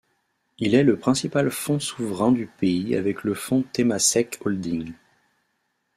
Il est le principal fonds souverain du pays avec le fonds Temasek Holdings.